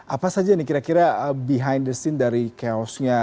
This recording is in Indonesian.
apa saja nih kira kira behind the scene dari chaosnya